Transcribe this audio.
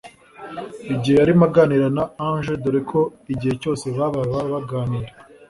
igihe yarimo aganira na Angel dore ko igihe cyose bababa baganira